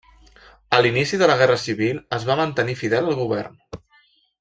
A l'inici de la guerra civil es va mantenir fidel al govern.